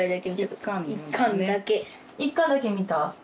１巻だけ見た。